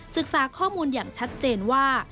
ศึกษาข้อมูลอย่างชัดเจนว่า